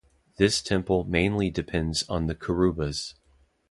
This temple mainly depends on the Kurubas.